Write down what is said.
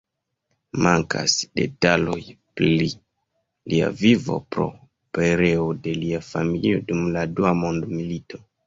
Mankas detaloj pri lia vivo pro pereo de lia familio dum la Dua Mondmilito.